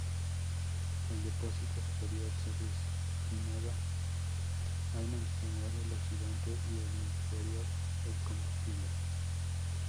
El depósito superior se destinaba a almacenar el oxidante, y el inferior el combustible.